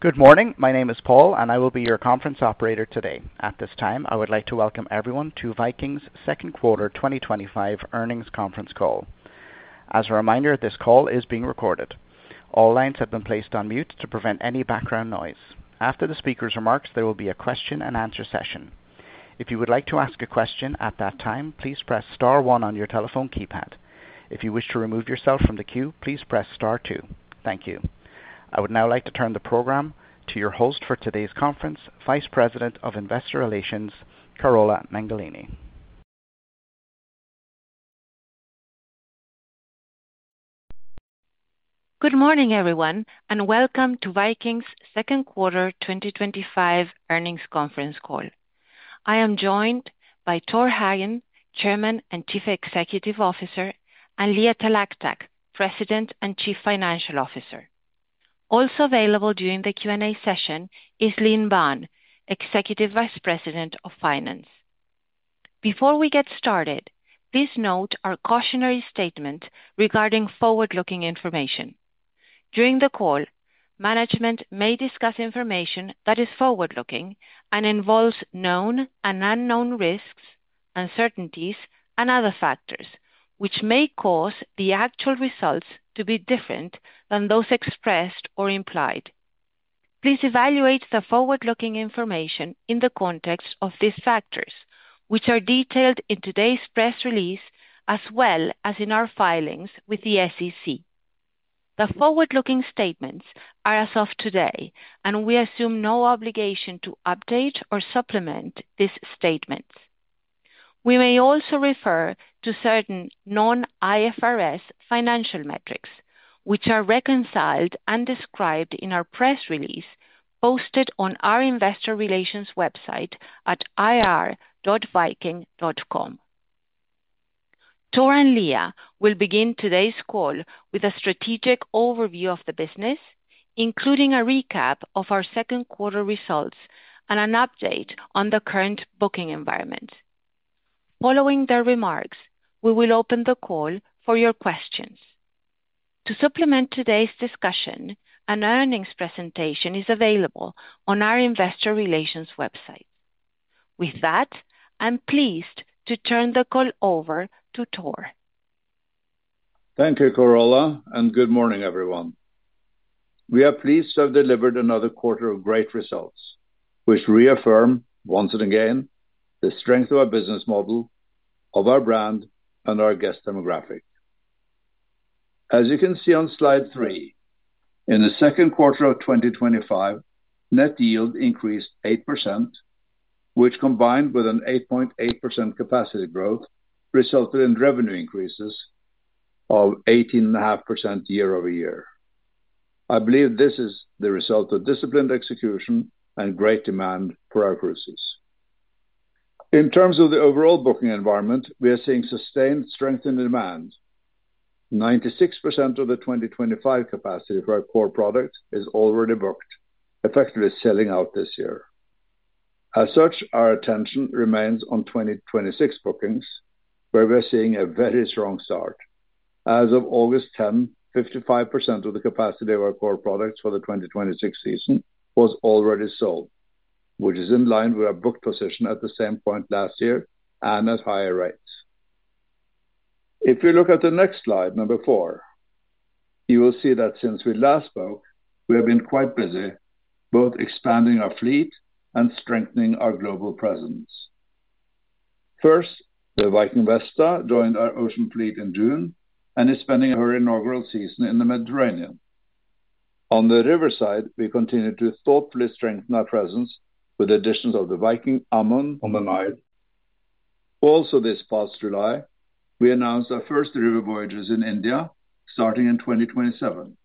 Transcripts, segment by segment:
Good morning. My name is Paul, and I will be your conference operator today. At this time, I would like to welcome everyone to Viking's Second Quarter 2025 Earnings Conference Call. As a reminder, this call is being recorded. All lines have been placed on mute to prevent any background noise. After the speaker's remarks, there will be a question and answer session. If you would like to ask a question at that time, please press star one on your telephone keypad. If you wish to remove yourself from the queue, please press star two. Thank you. I would now like to turn the program to your host for today's conference, Vice President of Investor Relations, Carola Mengolini. Good morning, everyone, and welcome to Viking's Second Quarter 2025 Earnings Conference Call. I am joined by Torstein Hagen, Chairman and Chief Executive Officer, and Leah Talactac, President and Chief Financial Officer. Also available during the Q&A session is Linh Banh, Executive Vice President of Finance. Before we get started, please note our cautionary statement regarding forward-looking information. During the call, management may discuss information that is forward-looking and involves known and unknown risks, uncertainties, and other factors, which may cause the actual results to be different than those expressed or implied. Please evaluate the forward-looking information in the context of these factors, which are detailed in today's press release as well as in our filings with the SEC. The forward-looking statements are as of today, and we assume no obligation to update or supplement these statements. We may also refer to certain non-IFRS financial metrics, which are reconciled and described in our press release posted on our investor relations website at ir.viking.com. Torstein and Leah will begin today's call with a strategic overview of the business, including a recap of our second quarter results and an update on the current booking environment. Following their remarks, we will open the call for your questions. To supplement today's discussion, an earnings presentation is available on our investor relations website. With that, I'm pleased to turn the call over to Torstein. Thank you, Carola, and good morning, everyone. We are pleased to have delivered another quarter of great results, which reaffirm once again the strength of our business model, of our brand, and our guest demographic. As you can see on slide three, in the second quarter of 2025, Net Yield increased 8%, which combined with an 8.8% Capacity Growth resulted in revenue increases of 18.5% year-over-year. I believe this is the result of disciplined execution and great demand for our cruises. In terms of the overall booking environment, we are seeing sustained strength in demand. 96% of the 2025 capacity for our core product is already booked, effectively selling out this year. As such, our attention remains on 2026 bookings, where we are seeing a very strong start. As of August 10, 55% of the capacity of our core products for the 2026 season was already sold, which is in line with our booked position at the same point last year and at higher rates. If you look at the next slide, number four, you will see that since we last spoke, we have been quite busy, both expanding our fleet and strengthening our global presence. First, the Viking Vesta joined our Ocean fleet in June and is spending her inaugural season in the Mediterranean. On the Riverside, we continue to thoughtfully strengthen our presence with the additions of the Viking Amun on the Nile. Also this past July, we announced our first River voyages in India, starting in 2027.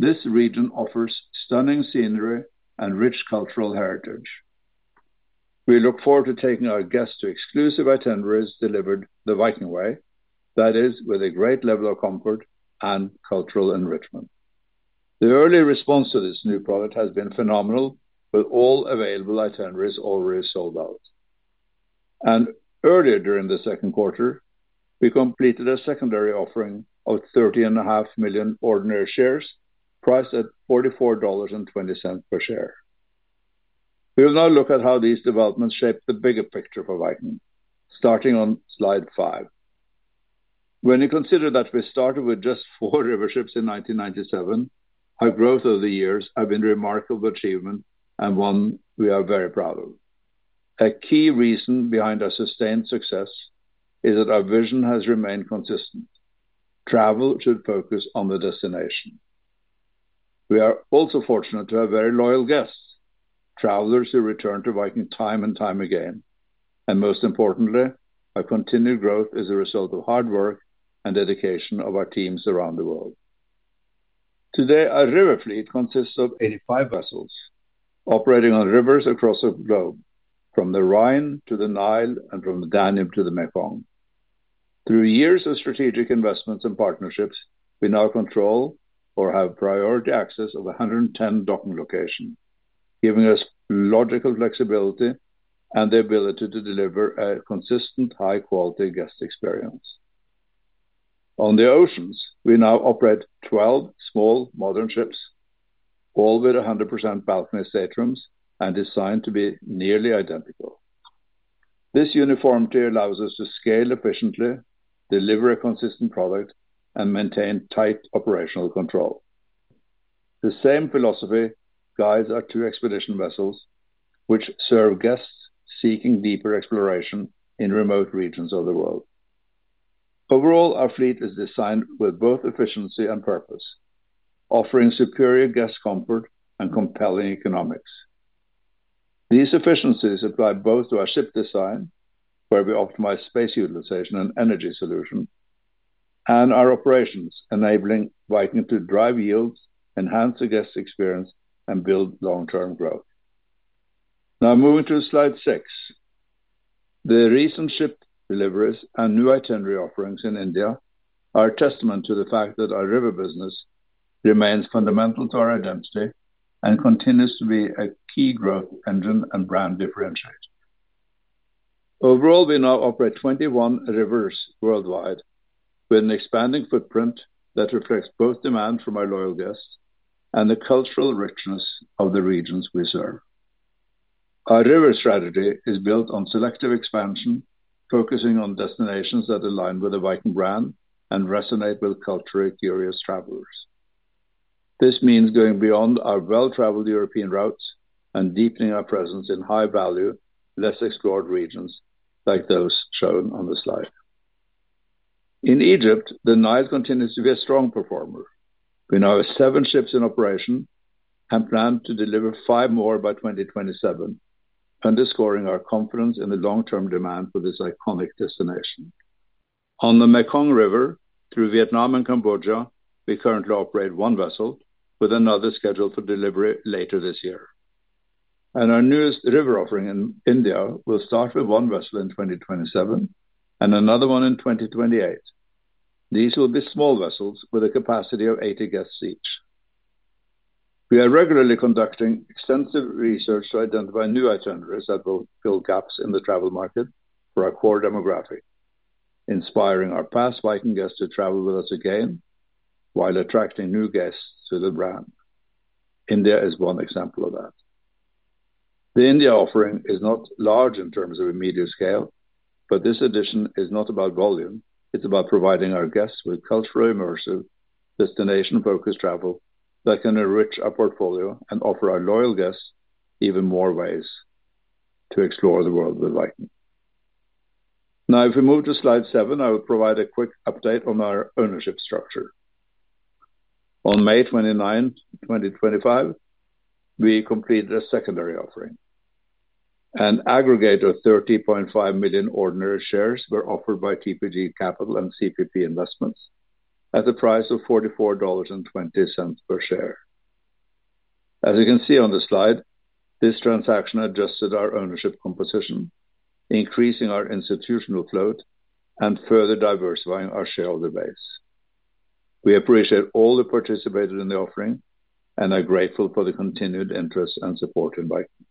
This region offers stunning scenery and rich cultural heritage. We look forward to taking our guests to exclusive itineraries delivered the Viking way, that is, with a great level of comfort and cultural enrichment. The early response to this new product has been phenomenal, with all available itineraries already sold out. Earlier during the second quarter, we completed a Secondary Offering of 30.5 million ordinary shares, priced at $44.20 per share. We will now look at how these developments shape the bigger picture for Viking, starting on slide five. When you consider that we started with just four River ships in 1997, our growth over the years has been a remarkable achievement and one we are very proud of. A key reason behind our sustained success is that our vision has remained consistent: travel should focus on the destination. We are also fortunate to have very loyal guests, travelers who return to Viking time and time again, and most importantly, our continued growth is a result of hard work and dedication of our teams around the world. Today, our River fleet consists of 85 vessels operating on Rivers across the globe, from the Rhine to the Nile and from the Danube to the Mekong. Through years of strategic investments and partnerships, we now control or have priority access of 110 docking locations, giving us logical flexibility and the ability to deliver a consistent, high-quality guest experience. On the Oceans, we now operate 12 small modern ships, all with 100% balcony staterooms and designed to be nearly identical. This uniformity allows us to scale efficiently, deliver a consistent product, and maintain tight operational control. The same philosophy guides our two expedition vessels, which serve guests seeking deeper exploration in remote regions of the world. Overall, our fleet is designed with both efficiency and purpose, offering superior guest comfort and compelling economics. These efficiencies apply both to our ship design, where we optimize space utilization and energy solution, and our operations, enabling Viking to drive yields, enhance the guest experience, and build long-term growth. Now, moving to slide six, the recent ship deliveries and new itinerary offerings in India are a testament to the fact that our River business remains fundamental to our identity and continues to be a key growth engine and brand differentiator. Overall, we now operate 21 Rivers worldwide, with an expanding footprint that reflects both demand from our loyal guests and the cultural richness of the regions we serve. Our River strategy is built on selective expansion, focusing on destinations that align with the Viking brand and resonate with culturally curious travelers. This means going beyond our well-traveled European routes and deepening our presence in high-value, less explored regions like those shown on the slide. In Egypt, the Nile continues to be a strong performer. We now have seven ships in operation and plan to deliver five more by 2027, underscoring our confidence in the long-term demand for this iconic destination. On the Mekong River, through Vietnam and Cambodia, we currently operate one vessel, with another scheduled for delivery later this year. Our newest River offering in India will start with one vessel in 2027 and another one in 2028. These will be small vessels with a capacity of 80 guest seats. We are regularly conducting extensive research to identify new itineraries that will fill gaps in the travel market for our core demographic, inspiring our past Viking guests to travel with us again while attracting new guests to the brand. India is one example of that. The India offering is not large in terms of a media scale, but this addition is not about volume, it's about providing our guests with culturally immersive, destination-focused travel that can enrich our portfolio and offer our loyal guests even more ways to explore the world with Viking. Now, if we move to slide seven, I will provide a quick update on our ownership structure. On May 29, 2025, we completed a Secondary Offering. An aggregate of 30.5 million ordinary shares were offered by TPG Capital and CPP Investments at the price of $44.20 per share. As you can see on the slide, this transaction adjusted our ownership composition, increasing our Institutional Float and further diversifying our shareholder base. We appreciate all who participated in the offering and are grateful for the continued interest and support in Viking.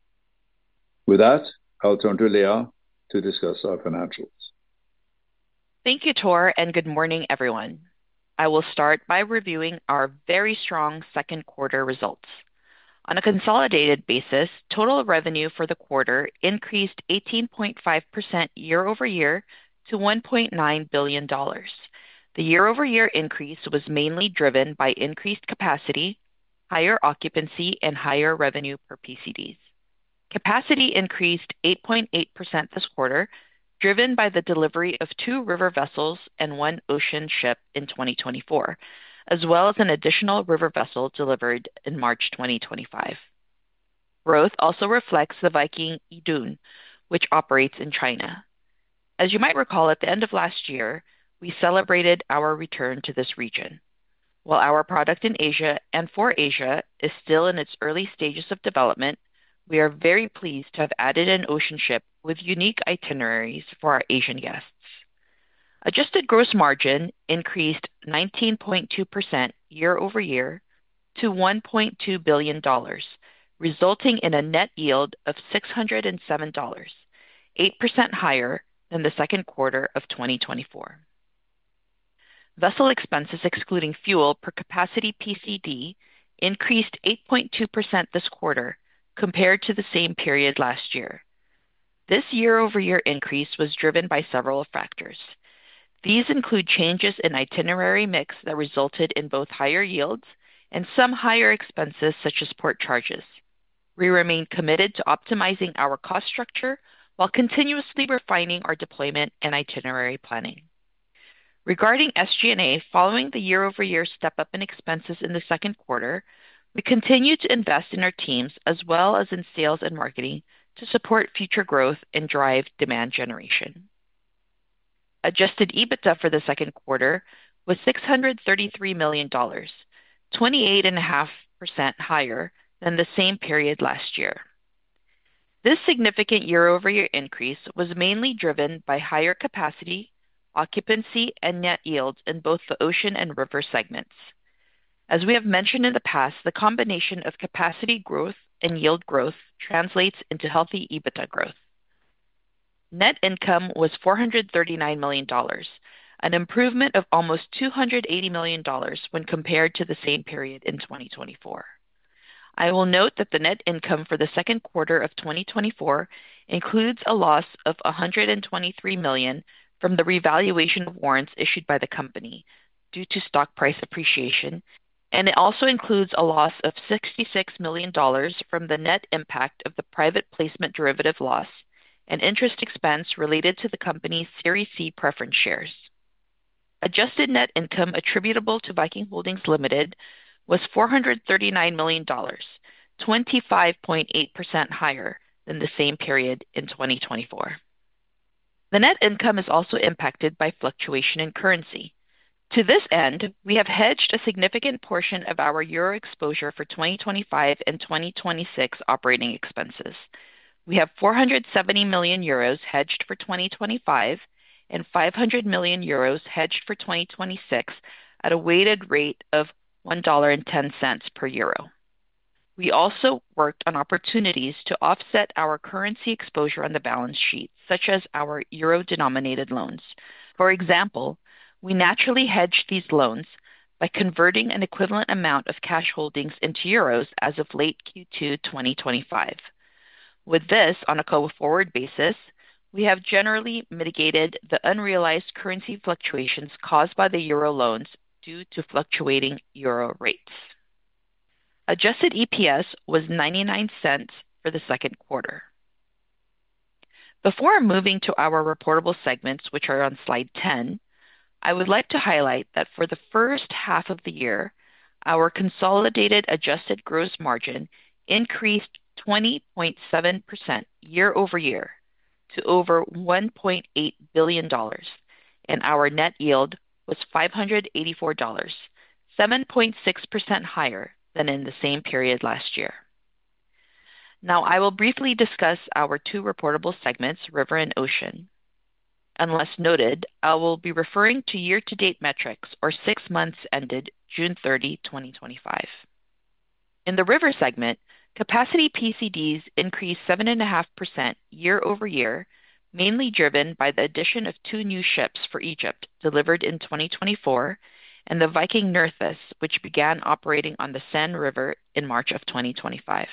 With that, I'll turn to Leah to discuss our financials. Thank you, Torstein, and good morning, everyone. I will start by reviewing our very strong second quarter results. On a consolidated basis, total revenue for the quarter increased 18.5% year-over-year to $1.9 billion. The year-over-year increase was mainly driven by increased capacity, higher occupancy, and higher revenue per PCD. Capacity increased 8.8% this quarter, driven by the delivery of two River vessels and one Ocean ship in 2024, as well as an additional River vessel delivered in March 2025. Growth also reflects the Viking Yi Dun, which operates in China. As you might recall, at the end of last year, we celebrated our return to this region. While our product in Asia and for Asia is still in its early stages of development, we are very pleased to have added an Ocean ship with unique itineraries for our Asian guests. Adjusted Gross Margin increased 19.2% year-over-year to $1.2 billion, resulting in a Net Yield of $607, 8% higher than the second quarter of 2024. Vessel expenses, excluding fuel per capacity PCD, increased 8.2% this quarter compared to the same period last year. This year-over-year increase was driven by several factors. These include changes in itinerary mix that resulted in both higher yields and some higher expenses, such as port charges. We remain committed to optimizing our cost structure while continuously refining our deployment and itinerary planning. Regarding SG&A, following the year-over-year step-up in expenses in the second quarter, we continue to invest in our teams, as well as in sales and marketing, to support future growth and drive demand generation. Adjusted EBITDA for the second quarter was $633 million, 28.5% higher than the same period last year. This significant year-over-year increase was mainly driven by higher capacity, occupancy, and Net Yields in both the Ocean and River segments. As we have mentioned in the past, the combination of Capacity Growth and Yield Growth translates into healthy EBITDA growth. Net income was $439 million, an improvement of almost $280 million when compared to the same period in 2024. I will note that the net income for the second quarter of 2024 includes a loss of $123 million from the revaluation warrants issued by the company due to stock price appreciation, and it also includes a loss of $66 million from the net impact of the private placement derivative loss and interest expense related to the company's Series C preference shares. Adjusted Net Income attributable to Viking Holdings Ltd. was $439 million, 25.8% higher than the same period in 2024. The net income is also impacted by fluctuation in currency. To this end, we have hedged a significant portion of our euro exposure for 2025 and 2026 operating expenses. We have 470 million euros hedged for 2025 and 500 million euros hedged for 2026 at a weighted rate of $1.10 per euro. We also worked on opportunities to offset our currency exposure on the balance sheet, such as our Euro-Denominated Loans. For example, we naturally hedged these loans by converting an equivalent amount of cash holdings into euros as of late Q2 2025. With this, on a forward basis, we have generally mitigated the unrealized currency fluctuations caused by the euro loans due to fluctuating euro rates. Adjusted EPS was $0.99 for the second quarter. Before moving to our reportable segments, which are on slide 10, I would like to highlight that for the first half of the year, our consolidated Adjusted Gross Margin increased 20.7% year-over-year to over $1.8 billion, and our Net Yield was $584, 7.6% higher than in the same period last year. Now, I will briefly discuss our two reportable segments, River and Ocean. Unless noted, I will be referring to year-to-date metrics, or six months ended June 30, 2025. In the River segment, capacity PCDs increased 7.5% year-over-year, mainly driven by the addition of two new ships for Egypt delivered in 2024, and the Viking Nerthus, which began operating on the Seine River in March of 2025.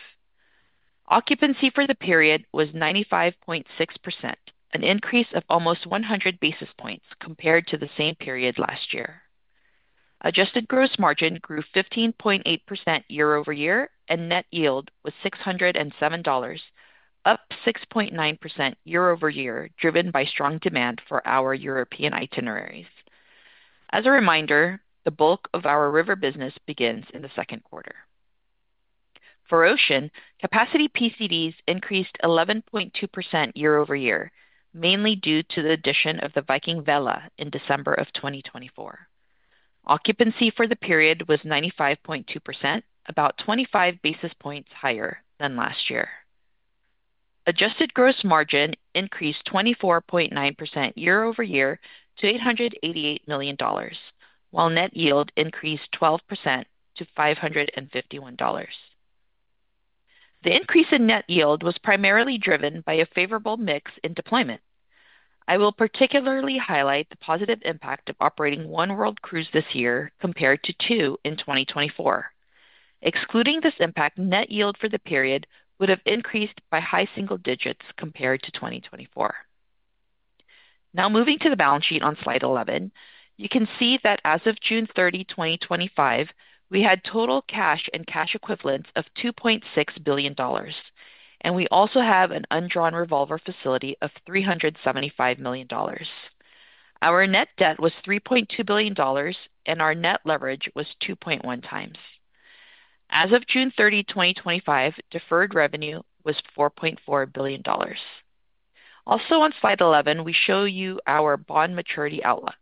Occupancy for the period was 95.6%, an increase of almost 100 basis points compared to the same period last year. Adjusted Gross Margin grew 15.8% year-over-year, and Net Yield was $607, up 6.9% year-over-year, driven by strong demand for our European itineraries. As a reminder, the bulk of our River business begins in the second quarter. For Ocean, capacity PCDs increased 11.2% year-over-year, mainly due to the addition of the Viking Vela in December of 2024. Occupancy for the period was 95.2%, about 25 basis points higher than last year. Adjusted Gross Margin increased 24.9% year-over-year to $888 million, while Net Yield increased 12% to $551. The increase in Net Yield was primarily driven by a favorable mix in deployment. I will particularly highlight the positive impact of operating one world cruise this year compared to two in 2024. Excluding this impact, Net Yield for the period would have increased by high single digits compared to 2024. Now, moving to the balance sheet on slide 11, you can see that as of June 30, 2025, we had total cash and cash equivalents of $2.6 billion, and we also have an Undrawn Revolver facility of $375 million. Our net debt was $3.2 billion, and our Net Leverage was 2.1x. As of June 30, 2025, Deferred Revenue was $4.4 billion. Also on slide 11, we show you our bond maturity outlook.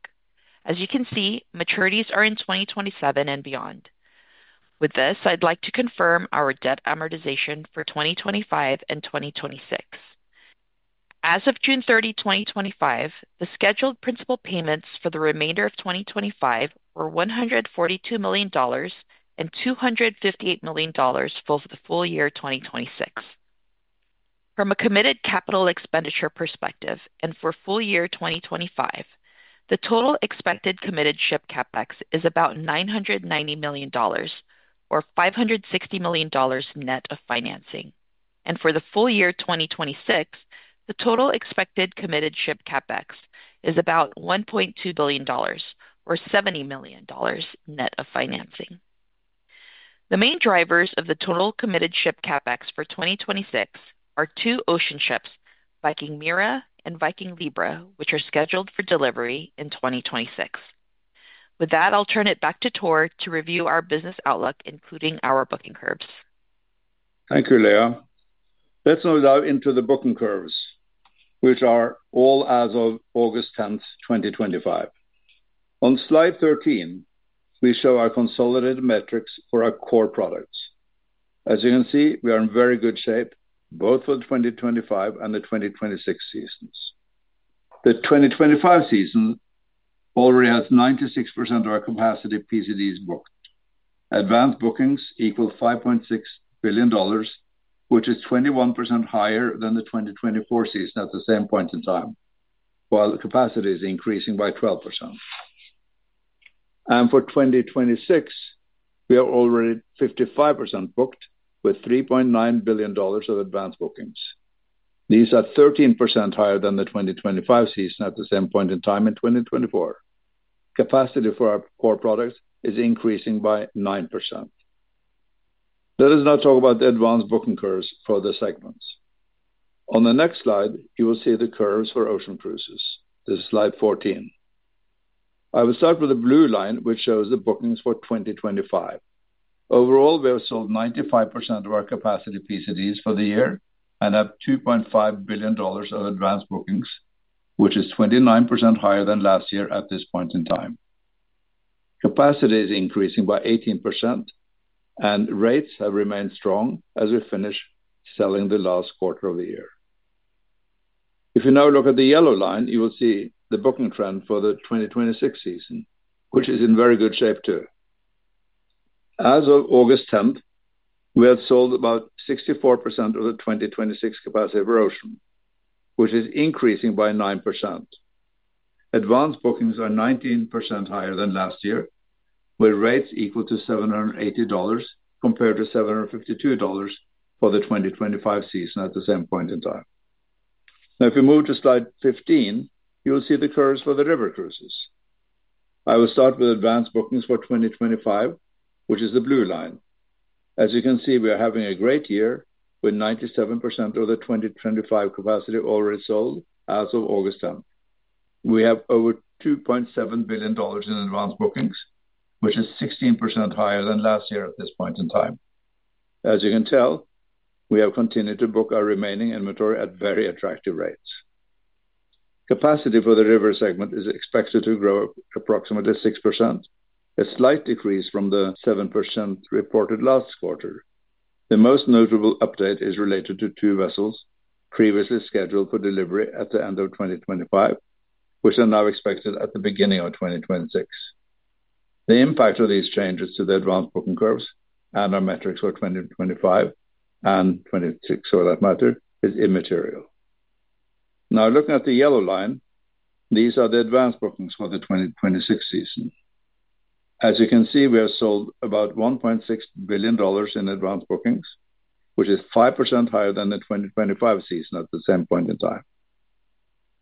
As you can see, maturities are in 2027 and beyond. With this, I'd like to confirm our debt amortization for 2025 and 2026. As of June 30, 2025, the scheduled principal payments for the remainder of 2025 were $142 million and $258 million for the full year 2026. From a Committed CapEx perspective and for full year 2025, the total expected Committed ship CapEx is about $990 million, or $560 million net of financing. For the full year 2026, the total expected Committed ship CapEx is about $1.2 billion, or $70 million net of financing. The main drivers of the total Committed ship CapEx for 2026 are two Ocean ships, Viking Mira and Viking Vibra, which are scheduled for delivery in 2026. With that, I'll turn it back to Torstein to review our business outlook, including our Booking Curves. Thank you, Leah. Let's now dive into the Booking Curves, which are all as of August 10, 2025. On slide 13, we show our consolidated metrics for our core products. As you can see, we are in very good shape, both for the 2025 and the 2026 seasons. The 2025 season already has 96% of our capacity PCDs booked. Advanced Bookings equal $5.6 billion, which is 21% higher than the 2024 season at the same point in time, while the capacity is increasing by 12%. For 2026, we are already 55% booked with $3.9 billion of Advanced Bookings. These are 13% higher than the 2025 season at the same point in time in 2024. Capacity for our core products is increasing by 9%. Let us now talk about the advanced Booking Curves for the segments. On the next slide, you will see the curves for Ocean cruises. This is slide 14. I will start with the blue line, which shows the bookings for 2025. Overall, we have sold 95% of our capacity PCDs for the year and have $2.5 billion of Advanced Bookings, which is 29% higher than last year at this point in time. Capacity is increasing by 18%, and rates have remained strong as we finish selling the last quarter of the year. If you now look at the yellow line, you will see the booking trend for the 2026 season, which is in very good shape too. As of August 10, we had sold about 64% of the 2026 capacity for Ocean, which is increasing by 9%. Advanced Bookings are 19% higher than last year, with rates equal to $780 compared to $752 for the 2025 season at the same point in time. Now, if you move to slide 15, you will see the curves for the River cruises. I will start with Advanced Bookings for 2025, which is the blue line. As you can see, we are having a great year, with 97% of the 2025 capacity already sold as of August 10. We have over $2.7 billion in Advanced Bookings, which is 16% higher than last year at this point in time. As you can tell, we have continued to book our remaining inventory at very attractive rates. Capacity for the River segment is expected to grow approximately 6%, a slight decrease from the 7% reported last quarter. The most notable update is related to two vessels previously scheduled for delivery at the end of 2025, which are now expected at the beginning of 2026. The impact of these changes to the advanced Booking Curves and our metrics for 2025 and 2026, for that matter, is immaterial. Now, looking at the yellow line, these are the Advanced Bookings for the 2026 season. As you can see, we have sold about $1.6 billion in Advanced Bookings, which is 5% higher than the 2025 season at the same point in time.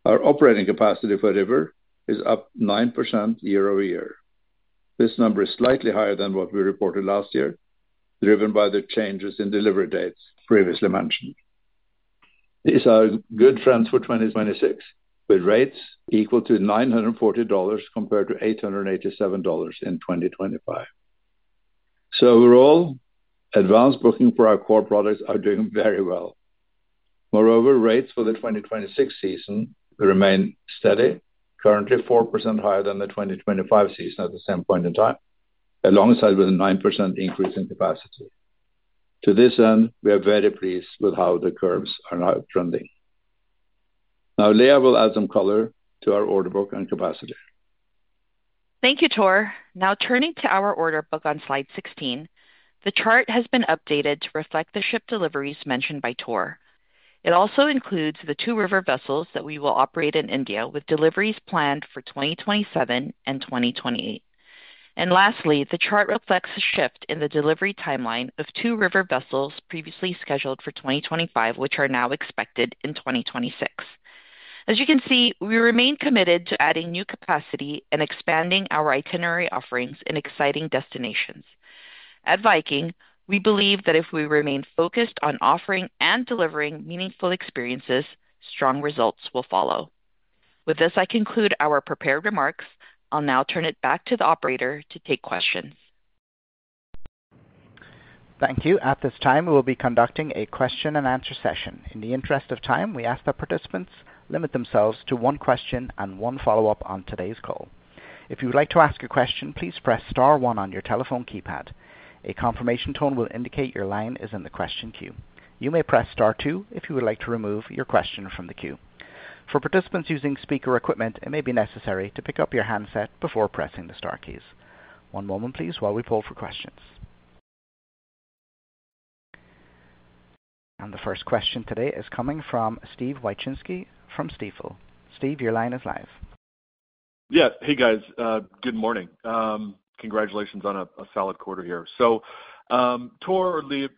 Our operating capacity for River is up 9% year-over-year. This number is slightly higher than what we reported last year, driven by the changes in delivery dates previously mentioned. These are good trends for 2026, with rates equal to $940 compared to $887 in 2025. Overall, advanced booking for our core products are doing very well. Moreover, rates for the 2026 season remain steady, currently 4% higher than the 2025 season at the same point in time, along with a 9% increase in capacity. To this end, we are very pleased with how the curves are now trending. Now, Leah will add some color to our order book and capacity. Thank you, Torstein. Now, turning to our order book on slide 16, the chart has been updated to reflect the ship deliveries mentioned by Torstein. It also includes the two River vessels that we will operate in India with deliveries planned for 2027 and 2028. Lastly, the chart reflects a shift in the delivery timeline of two River vessels previously scheduled for 2025, which are now expected in 2026. As you can see, we remain committed to adding new capacity and expanding our itinerary offerings in exciting destinations. At Viking, we believe that if we remain focused on offering and delivering meaningful experiences, strong results will follow. With this, I conclude our prepared remarks. I'll now turn it back to the operator to take questions. Thank you. At this time, we will be conducting a question and answer session. In the interest of time, we ask that participants limit themselves to one question and one follow-up on today's call. If you would like to ask your question, please press star one on your telephone keypad. A confirmation tone will indicate your line is in the question queue. You may press star two if you would like to remove your question from the queue. For participants using speaker equipment, it may be necessary to pick up your handset before pressing the star keys. One moment, please, while we pull for questions. The first question today is coming from Steven Wieczynski from Stifel. Steven, your line is live. Yeah, hey guys, good morning. Congratulations on a solid quarter here. Torstein, Leah,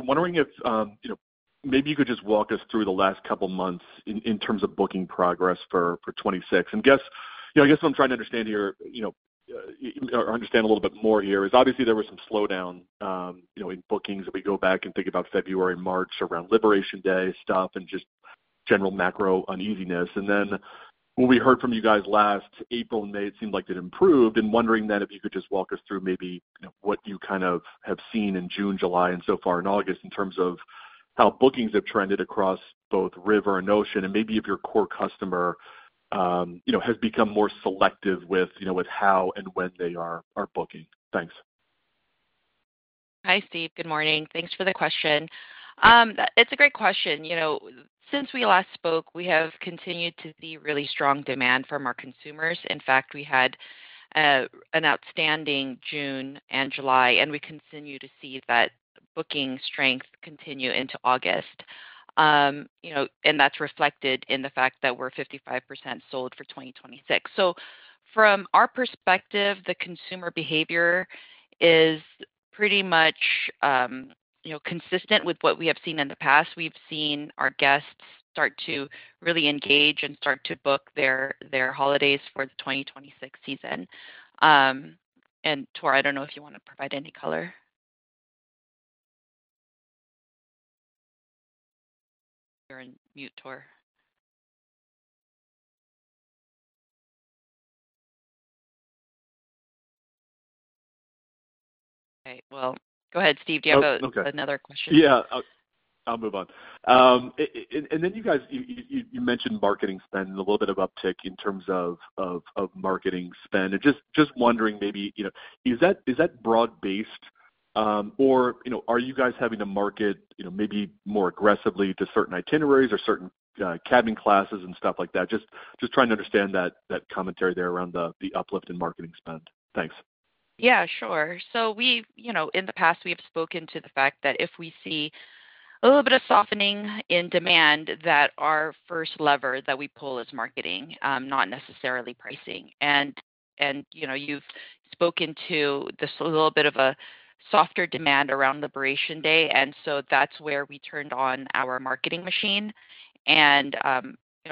I'm wondering if maybe you could just walk us through the last couple of months in terms of booking progress for 2026. I guess what I'm trying to understand here, or understand a little bit more here, is obviously there was some slowdown in bookings. If we go back and think about February, March, around Liberation Day stuff, and just general macro uneasiness. When we heard from you guys last April and May, it seemed like it improved. I'm wondering if you could just walk us through maybe what you have seen in June, July, and so far in August in terms of how bookings have trended across both River and Ocean, and maybe if your core customer has become more selective with how and when they are booking. Thanks. Hi Steve, good morning. Thanks for the question. It's a great question. Since we last spoke, we have continued to see really strong demand from our consumers. In fact, we had an outstanding June and July, and we continue to see that booking strength continue into August. That's reflected in the fact that we're 55% sold for 2026. From our perspective, the consumer behavior is pretty much consistent with what we have seen in the past. We've seen our guests start to really engage and start to book their holidays for the 2026 season. Torstein, I don't know if you want to provide any color. You're on mute, Torstein. Go ahead, Steve. Do you have another question? I'll move on. You mentioned marketing spend and a little bit of uptick in terms of marketing spend. Just wondering, is that broad-based or are you having to market more aggressively to certain itineraries or certain cabin classes and stuff like that? Just trying to understand that commentary there around the uplift in marketing spend. Thanks. Yeah, sure. In the past, we have spoken to the fact that if we see a little bit of softening in demand, our first lever that we pull is marketing, not necessarily pricing. You've spoken to this little bit of a softer demand around Liberation Day. That's where we turned on our marketing machine and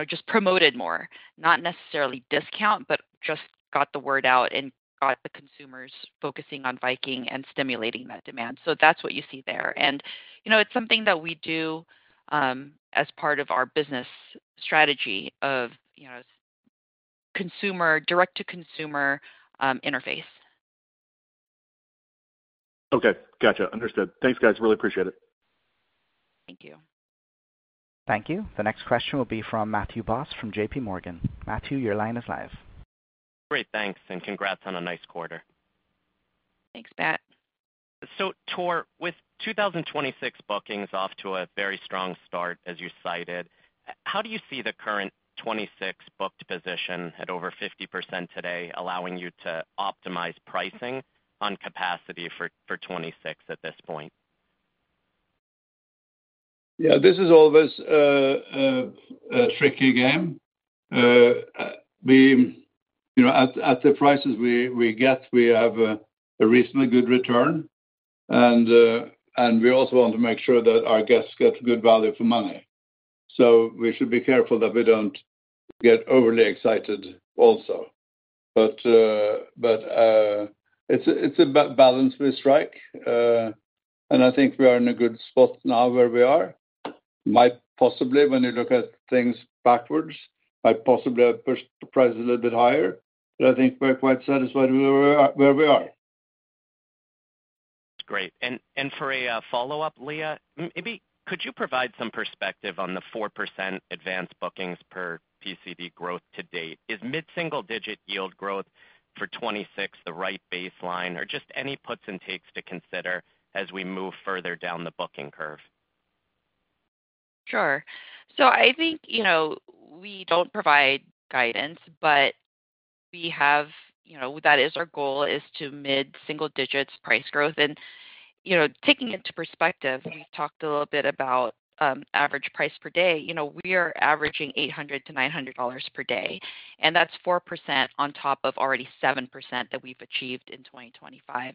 just promoted more, not necessarily discount, but just got the word out and got the consumers focusing on Viking and stimulating that demand. That's what you see there. It's something that we do as part of our business strategy of consumer, direct-to-consumer interface. Okay, gotcha. Understood. Thanks, guys. Really appreciate it. Thank you. Thank you. The next question will be from Matthew Robert Boss from JPMorgan Chase & Co. Matthew, your line is live. Great, thanks, and congrats on a nice quarter. Thanks, Pat. Torstein, with 2026 bookings off to a very strong start, as you cited, how do you see the current 2026 booked position at over 50% today, allowing you to optimize pricing on capacity for 2026 at this point? Yeah, this is always a tricky game. You know, at the prices we get, we have a reasonably good return, and we also want to make sure that our guests get good value for money. We should be careful that we don't get overly excited also. It is a balance we strike, and I think we are in a good spot now where we are. Might possibly, when you look at things backwards, might possibly have pushed the price a little bit higher, but I think we're quite satisfied where we are. That's great. For a follow-up, Leah, maybe could you provide some perspective on the 4% Advanced Bookings per PCD growth to date? Is mid-single-digit Yield Growth for 2026 the right baseline, or just any puts and takes to consider as we move further down the booking curve? Sure. I think, you know, we don't provide guidance, but we have, you know, that is our goal is to mid-single-digit price growth. You talked a little bit about average price per day. We are averaging $800-$900 per day, and that's 4% on top of already 7% that we've achieved in 2025.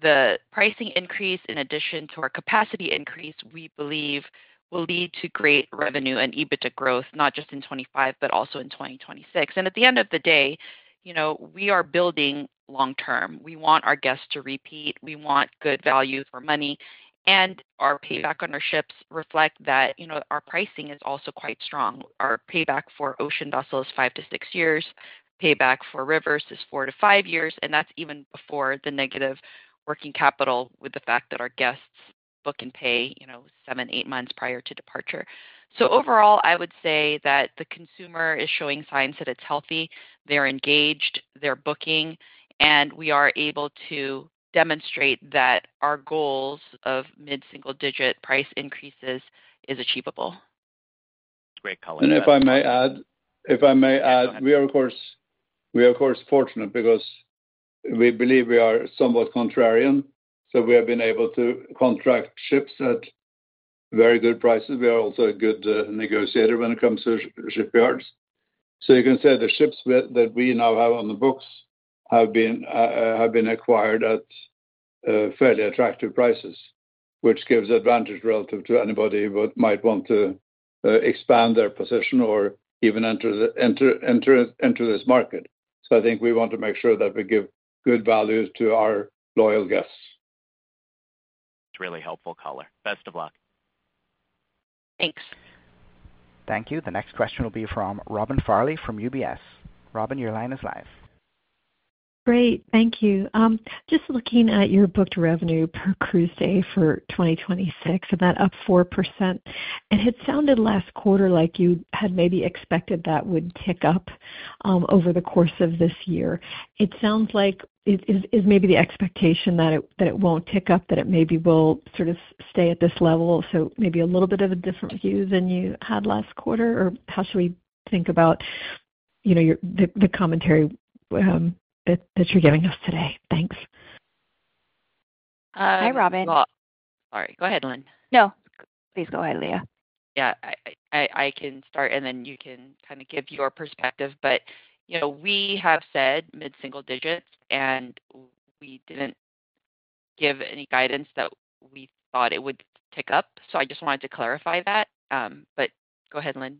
The pricing increase, in addition to our capacity increase, we believe will lead to great revenue and EBITDA growth, not just in 2025, but also in 2026. At the end of the day, we are building long-term. We want our guests to repeat. We want good value for money, and our payback on our ships reflects that our pricing is also quite strong. Our payback for Ocean vessels is five to six years. Payback for Rivers is four to five years, and that's even before the negative working capital with the fact that our guests book and pay seven, eight months prior to departure. Overall, I would say that the consumer is showing signs that it's healthy. They're engaged, they're booking, and we are able to demonstrate that our goals of mid-single-digit price increases are achievable. Great, color. If I may add, we are, of course, fortunate because we believe we are somewhat contrarian. We have been able to contract ships at very good prices. We are also a good negotiator when it comes to shipyards. You can say the ships that we now have on the books have been acquired at fairly attractive prices, which gives advantage relative to anybody who might want to expand their position or even enter this market. I think we want to make sure that we give good value to our loyal guests. It's really helpful, color. Best of luck. Thanks. Thank you. The next question will be from Robin Farley from UBS. Robin, your line is live. Great, thank you. Just looking at your booked revenue per cruise day for 2026, and that up 4%, it had sounded last quarter like you had maybe expected that would tick up over the course of this year. It sounds like it is maybe the expectation that it won't tick up, that it maybe will sort of stay at this level. Maybe a little bit of a different view than you had last quarter, or how should we think about, you know, the commentary that you're giving us today? Thanks. Hi, Robin. Sorry, go ahead, Linh. No, please go ahead, Leah. Yeah, I can start, and then you can kind of give your perspective. You know, we have said mid-single digits, and we didn't give any guidance that we thought it would tick up. I just wanted to clarify that. Go ahead, Linh.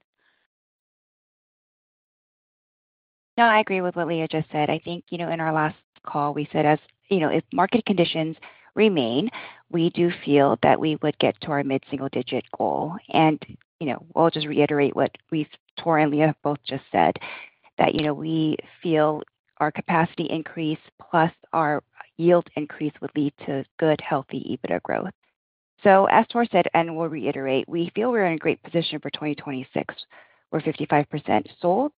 No, I agree with what Leah just said. I think in our last call, we said as, you know, if market conditions remain, we do feel that we would get to our mid-single digit goal. We'll just reiterate what Torstein and Leah both just said, that we feel our capacity increase plus our yield increase would lead to good, healthy EBITDA growth. As Torstein said, and we'll reiterate, we feel we're in a great position for 2026. We're 55% sold.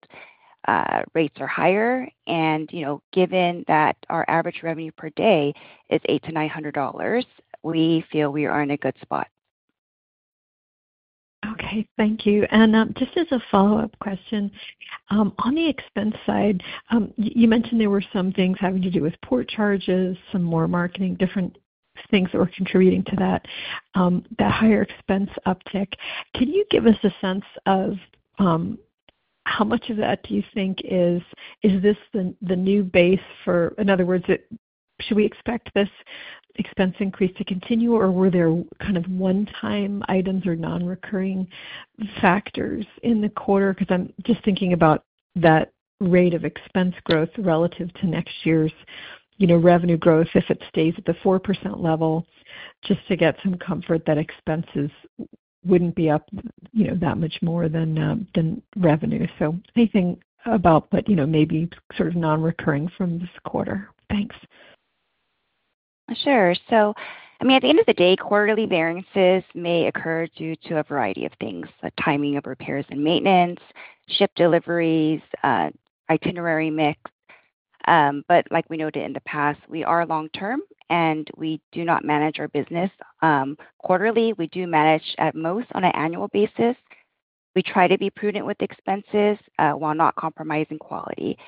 Rates are higher, and given that our average revenue per day is $800-$900, we feel we are in a good spot. Okay, thank you. Just as a follow-up question, on the expense side, you mentioned there were some things having to do with port charges, some more marketing, different things that were contributing to that higher expense uptick. Can you give us a sense of how much of that do you think is the new base for, in other words, should we expect this expense increase to continue, or were there kind of one-time items or non-recurring factors in the quarter? I'm just thinking about that rate of expense growth relative to next year's revenue growth, if it stays at the 4% level, just to get some comfort that expenses wouldn't be up that much more than revenue. Anything about maybe sort of non-recurring from this quarter? Thanks. Sure. At the end of the day, quarterly variances may occur due to a variety of things, like timing of repairs and maintenance, ship deliveries, itinerary mix. Like we noted in the past, we are long-term, and we do not manage our business quarterly. We do manage at most on an annual basis. We try to be prudent with expenses while not compromising quality.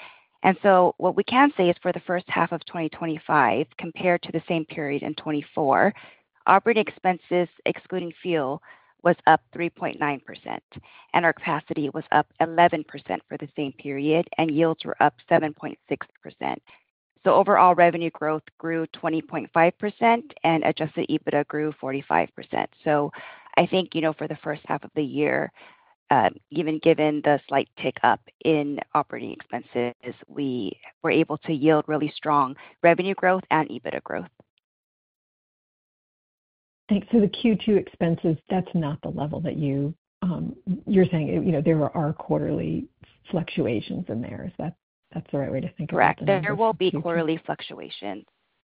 What we can say is for the first half of 2025, compared to the same period in 2024, operating expenses, excluding fuel, was up 3.9%. Our capacity was up 11% for the same period, and yields were up 7.6%. The overall revenue growth grew 20.5%, and Adjusted EBITDA grew 45%. I think for the first half of the year, even given the slight tick-up in operating expenses, we were able to yield really strong revenue growth and EBITDA growth. Thanks. The Q2 expenses, that's not the level that you're saying, you know, there are quarterly fluctuations in there. Is that the right way to think about it? Correct. There will be quarterly fluctuations.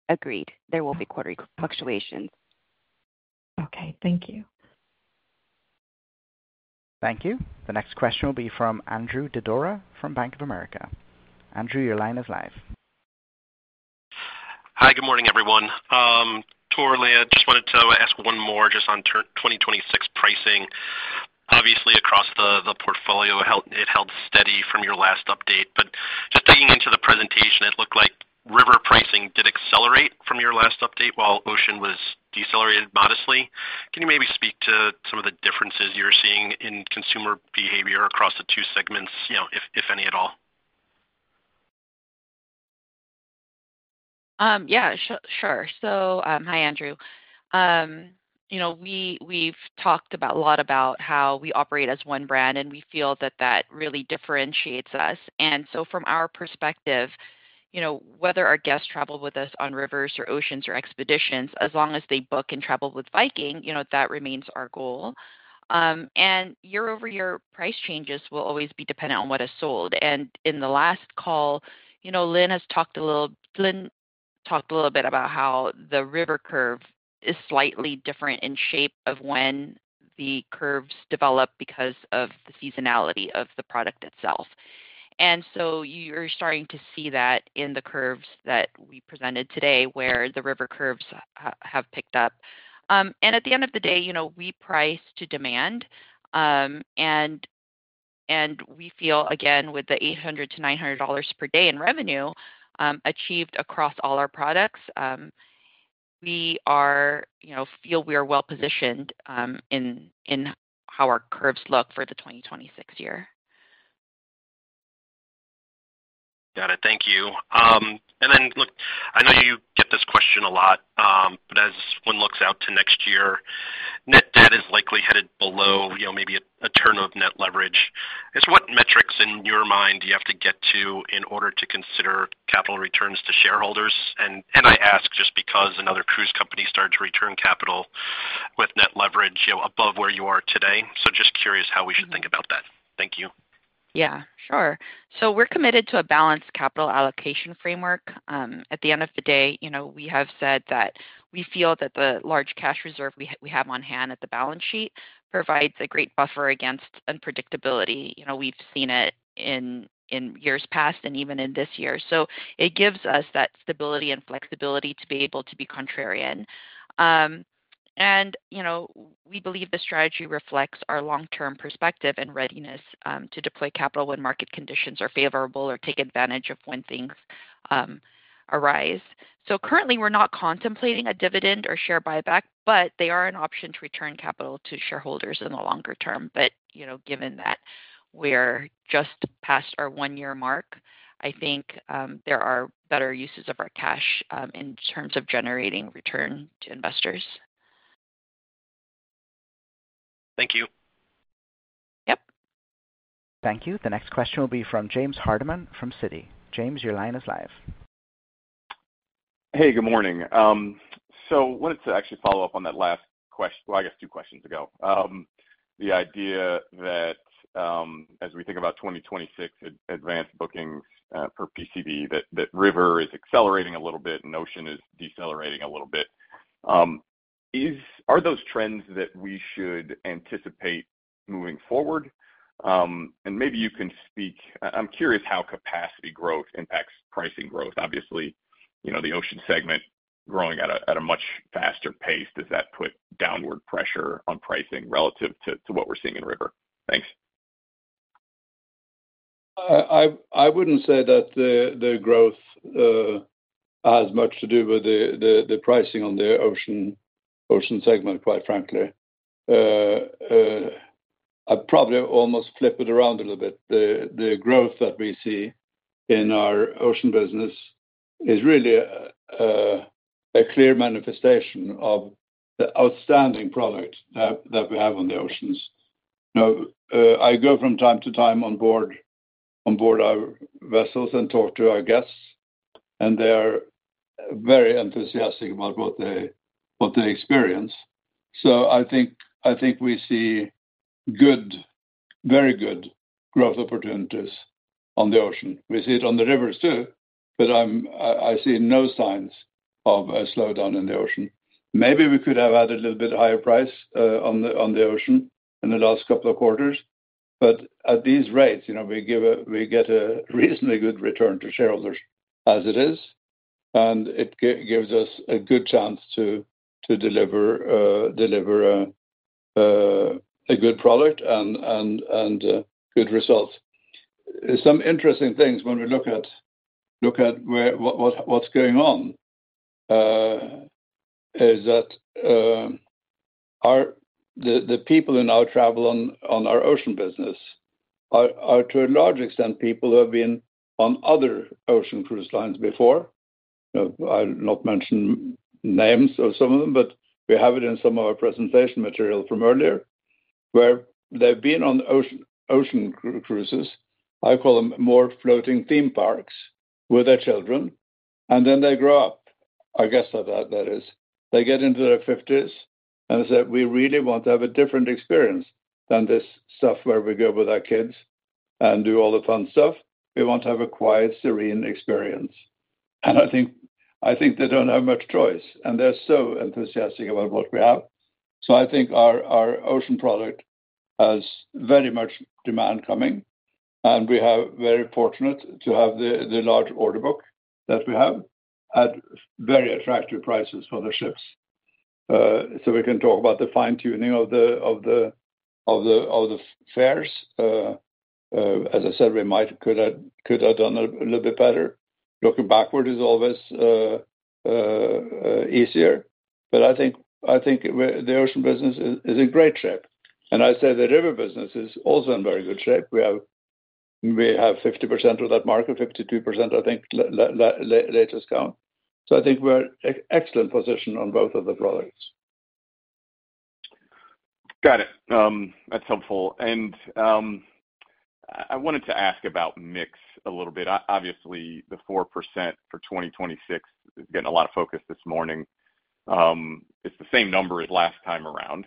Agreed. There will be quarterly fluctuations. Okay, thank you. Thank you. The next question will be from Andrew Didora from Bank of America. Andrew, your line is live. Hi, good morning, everyone. Torstein, Leah, I just wanted to ask one more just on 2026 pricing. Obviously, across the portfolio, it held steady from your last update. Just digging into the presentation, it looked like River pricing did accelerate from your last update while Ocean was decelerated modestly. Can you maybe speak to some of the differences you're seeing in consumer behavior across the two segments, if any at all? Yeah, sure. Hi, Andrew. You know, we've talked a lot about how we operate as one brand, and we feel that really differentiates us. From our perspective, whether our guests travel with us on Rivers or Oceans or expeditions, as long as they book and travel with Viking, that remains our goal. year-over-year, price changes will always be dependent on what is sold. In the last call, Linh has talked a little bit about how the River curve is slightly different in shape of when the curves develop because of the seasonality of the product itself. You're starting to see that in the curves that we presented today where the River curves have picked up. At the end of the day, we price to demand. We feel, again, with the $800-$900 per day in revenue achieved across all our products, we feel we are well positioned in how our curves look for the 2026 year. Got it. Thank you. I know you get this question a lot, but as one looks out to next year, net debt is likely headed below, you know, maybe a turn of Net Leverage. I guess what metrics in your mind do you have to get to in order to consider capital returns to shareholders? I ask just because another cruise company started to return capital with Net Leverage above where you are today. Just curious how we should think about that. Thank you. Yeah, sure. We're committed to a balanced capital allocation framework. At the end of the day, we have said that we feel that the large cash reserve we have on hand at the balance sheet provides a great buffer against unpredictability. We've seen it in years past and even in this year. It gives us that stability and flexibility to be able to be contrarian. We believe the strategy reflects our long-term perspective and readiness to deploy capital when market conditions are favorable or take advantage of when things arise. Currently, we're not contemplating a dividend or share buyback, but they are an option to return capital to shareholders in the longer term. Given that we're just past our one-year mark, I think there are better uses of our cash in terms of generating return to investors. Thank you. Yep. Thank you. The next question will be from James Hardiman from Citi. James, your line is live. Good morning. I wanted to actually follow up on that last question, I guess two questions ago. The idea that as we think about 2026 Advanced Bookings per PCD, that River is accelerating a little bit and Ocean is decelerating a little bit. Are those trends that we should anticipate moving forward? Maybe you can speak, I'm curious how Capacity Growth impacts pricing growth. Obviously, you know, the Ocean segment growing at a much faster pace, does that put downward pressure on pricing relative to what we're seeing in River? Thanks. I wouldn't say that the growth has much to do with the pricing on the Ocean segment, quite frankly. I'd probably almost flip it around a little bit. The growth that we see in our Ocean business is really a clear manifestation of the outstanding product that we have on the Oceans. I go from time to time on board our vessels and talk to our guests, and they are very enthusiastic about what they experience. I think we see good, very good growth opportunities on the Ocean. We see it on the Rivers too, but I see no signs of a slowdown in the Ocean. Maybe we could have had a little bit higher price on the Ocean in the last couple of quarters. At these rates, we get a reasonably good return to shareholders as it is, and it gives us a good chance to deliver a good product and good results. Some interesting things when we look at what's going on is that the people in our travel on our Ocean business are, to a large extent, people who have been on other Ocean cruise lines before. I'll not mention names of some of them, but we have it in some of our presentation material from earlier, where they've been on Ocean cruises. I call them more floating theme parks with their children, and then they grow up. I guess that is, they get into their 50s and say, "We really want to have a different experience than this stuff where we go with our kids and do all the fun stuff. We want to have a quiet, serene experience." I think they don't have much choice, and they're so enthusiastic about what we have. I think our Ocean product has very much demand coming, and we are very fortunate to have the large order book that we have at very attractive prices for the ships. We can talk about the fine-tuning of the fares. As I said, we might could have done a little bit better. Looking backward is always easier. I think the Ocean business is in great shape. I'd say the River business is also in very good shape. We have 50% of that market, 52%, I think, latest count. I think we're in an excellent position on both of the products. Got it. That's helpful. I wanted to ask about mix a little bit. Obviously, the 4% for 2026 is getting a lot of focus this morning. It's the same number as last time around.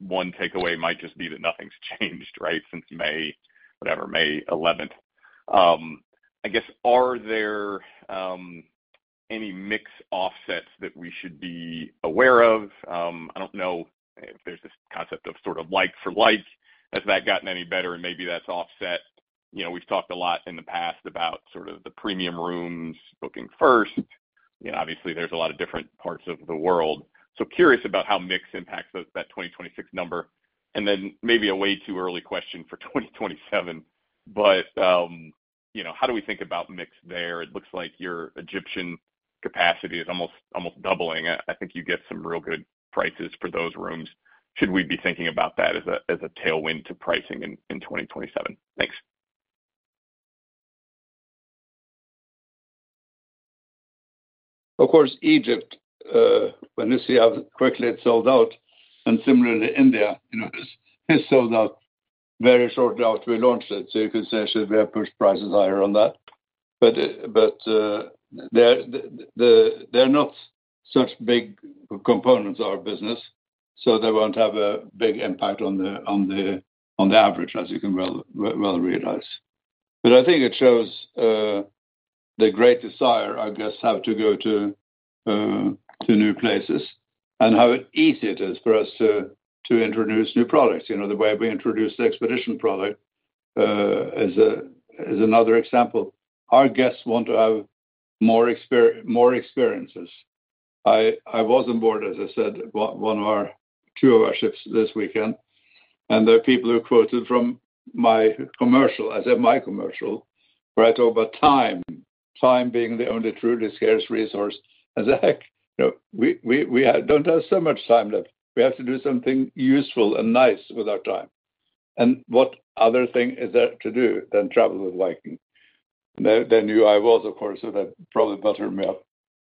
One takeaway might just be that nothing's changed, right, since May, whatever, May 11. I guess, are there any mix offsets that we should be aware of? I don't know if there's this concept of sort of like for like. Has that gotten any better? Maybe that's offset. We've talked a lot in the past about sort of the premium rooms booking first. Obviously, there's a lot of different parts of the world. Curious about how mix impacts that 2026 number. Maybe a way too early question for 2027, but you know, how do we think about mix there? It looks like your Egyptian capacity is almost doubling. I think you get some real good prices for those rooms. Should we be thinking about that as a tailwind to pricing in 2027? Thanks. Of course, Egypt, when you see how quickly it sold out, and similarly, India has sold out very shortly after we launched it. You can say should we have pushed prices higher on that? They're not such big components of our business, so they won't have a big impact on the average, as you can well realize. I think it shows the great desire our guests have to go to new places and how easy it is for us to introduce new products. The way we introduce the expedition product is another example. Our guests want to have more experiences. I was on board, as I said, one of our two of our ships this weekend, and there are people who quoted from my commercial, I said my commercial, where I talk about time, time being the only truly scarce resource. I said, "Heck, you know, we don't have so much time left. We have to do something useful and nice with our time." What other thing is there to do than travel with Viking? They knew I was, of course, so that probably buttered me up.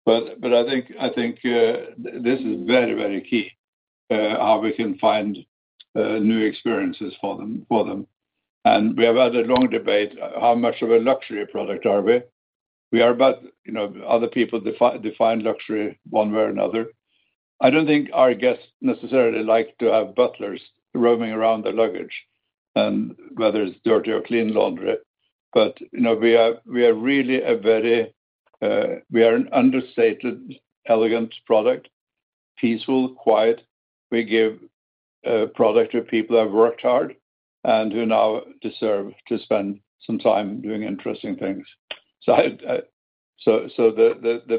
I think this is very, very key, how we can find new experiences for them. We have had a long debate, how much of a luxury product are we? We are about, you know, other people define luxury one way or another. I don't think our guests necessarily like to have butlers roaming around their luggage and whether it's dirty or clean laundry. We are really a very, we are an understated, elegant product, peaceful, quiet. We give a product to people who have worked hard and who now deserve to spend some time doing interesting things. The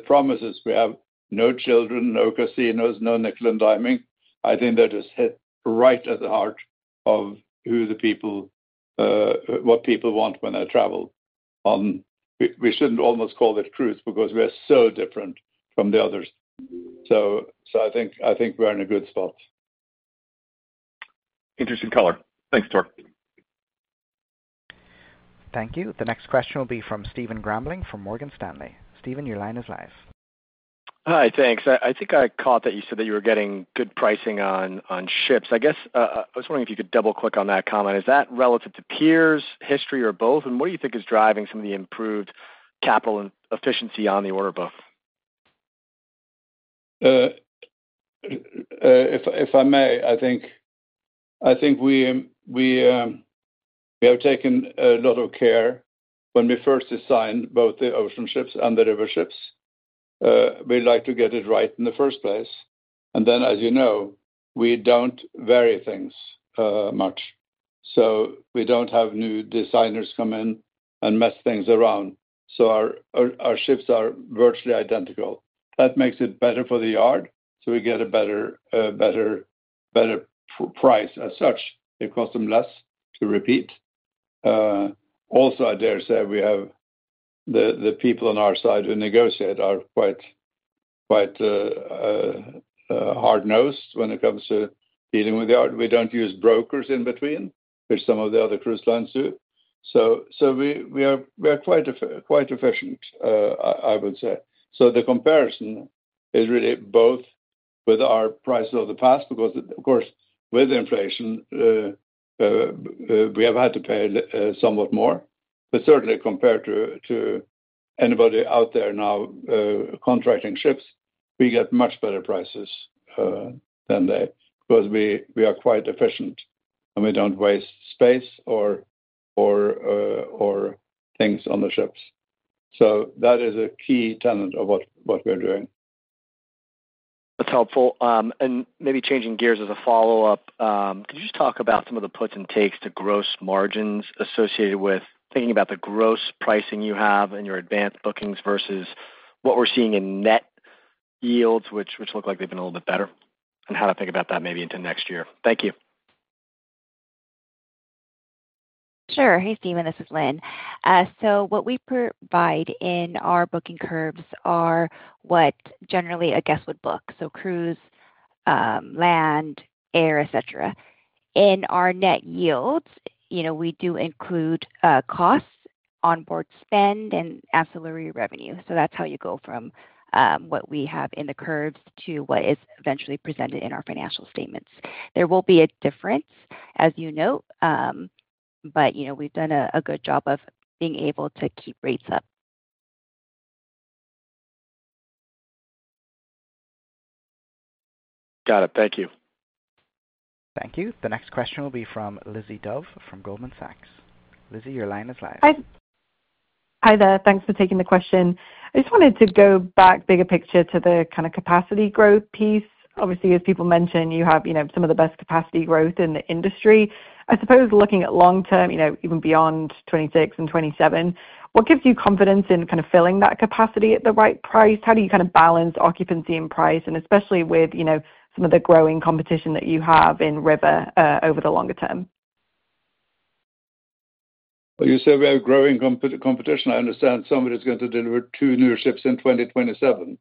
promises we have, no children, no casinos, no nickel and diming, I think that just hit right at the heart of who the people, what people want when they travel on. We shouldn't almost call it cruise because we are so different from the others. I think we're in a good spot. Interesting color. Thanks, Torstein. Thank you. The next question will be from Stephen Grambling from Morgan Stanley. Stephen, your line is live. Hi, thanks. I think I caught that you said that you were getting good pricing on ships. I was wondering if you could double-click on that comment. Is that relative to peers, history, or both? What do you think is driving some of the improved capital and efficiency on the order book? If I may, I think we have taken a lot of care when we first designed both the Ocean ships and the River ships. We like to get it right in the first place. As you know, we don't vary things much. We don't have new designers come in and mess things around. Our ships are virtually identical. That makes it better for the yard, so we get a better price as such. It costs them less to repeat. I dare say we have the people on our side who negotiate are quite hard-nosed when it comes to dealing with the yard. We don't use brokers in between, which some of the other cruise lines do. We are quite efficient, I would say. The comparison is really both with our prices of the past because, of course, with inflation, we have had to pay somewhat more. Certainly, compared to anybody out there now contracting ships, we get much better prices than they because we are quite efficient and we don't waste space or things on the ships. That is a key tenet of what we're doing. That's helpful. Maybe changing gears as a follow-up, could you just talk about some of the puts and takes to gross margins associated with thinking about the gross pricing you have in your Advanced Bookings versus what we're seeing in Net Yields, which look like they've been a little bit better, and how to think about that maybe into next year? Thank you. Sure. Hey, Stephen, this is Linh. What we provide in our Booking Curves are what generally a guest would book: cruise, land, air, etc. In our Net Yields, we do include costs, onboard spend, and ancillary revenue. That's how you go from what we have in the curves to what is eventually presented in our financial statements. There will be a difference, as you note, but we've done a good job of being able to keep rates up. Got it. Thank you. Thank you. The next question will be from Elizabeth Dove from Goldman Sachs. Elizabeth, your line is live. Hi there. Thanks for taking the question. I just wanted to go back bigger picture to the kind of Capacity Growth piece. Obviously, as people mentioned, you have some of the best Capacity Growth in the industry. I suppose looking at long term, even beyond 2026 and 2027, what gives you confidence in kind of filling that capacity at the right price? How do you kind of balance occupancy and price, especially with some of the growing competition that you have in River over the longer term? You say we have growing competition. I understand somebody's going to deliver two new ships in 2027.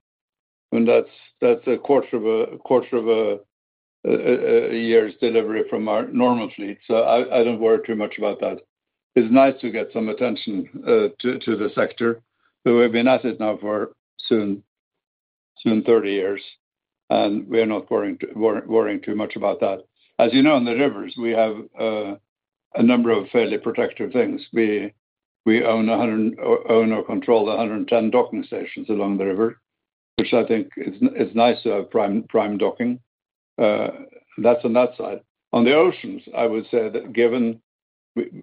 That's a quarter of a year's delivery from our normal fleet, so I don't worry too much about that. It's nice to get some attention to the sector. We've been at it now for soon, soon 30 years, and we're not worrying too much about that. As you know, in the Rivers, we have a number of fairly protective things. We own or control 110 docking stations along the River, which I think is nice to have prime docking. That's on that side. On the Oceans, I would say that given